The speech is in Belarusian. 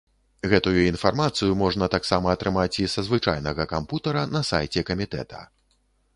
Гэтую інфармацыю можна таксама атрымаць і са звычайнага кампутара на сайце камітэта.